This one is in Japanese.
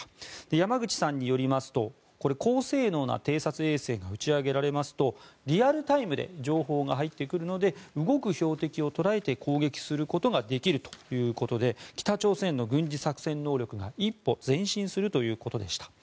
山口さんによりますと高性能な偵察衛星が打ち上げられますとリアルタイムで情報が入ってくるので動く標的を捉えて攻撃することができるということで北朝鮮の軍事作戦能力が一歩前進するということでした。